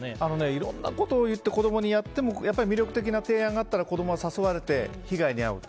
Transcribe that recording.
いろんなことを言って子供にやっても魅力的な提案があったら子供は誘われて被害に遭う。